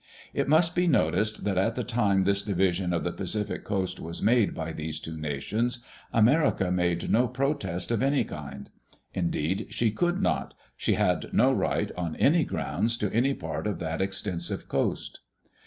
It must be noticed that at the time this division of the Pacific Coast was made by these two nations, America made no protest of any kind. Indeed, she could not; she had no right, on any grounds, to any part of that extensive coast.